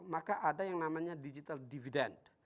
maka ada yang namanya digital dividend